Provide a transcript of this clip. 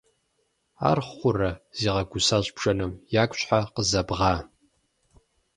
- Ар хъурэ! - зигъэгусащ бжэным. - Ягу щхьэ къызэбгъа?